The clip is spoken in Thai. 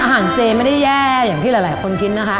เจไม่ได้แย่อย่างที่หลายคนคิดนะคะ